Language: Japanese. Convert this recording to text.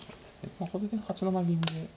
まあこれで８七銀で。